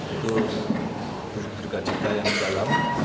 itu bergajah yang dalam